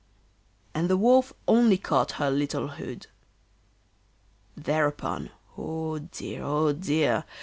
and the Wolf only caught her little hood. Thereupon, oh dear! oh dear!